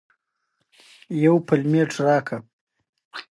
هغه به د خوړو په برابرولو ډېرې پیسې لګولې.